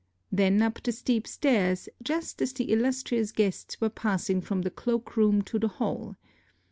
Then up the steep stairs, just as the illustrious guests were passing from the cloak room to the hall.